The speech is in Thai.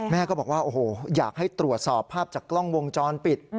แม่ก็บอกว่าโอ้โหอยากให้ตรวจสอบภาพจากกล้องวงจรปิด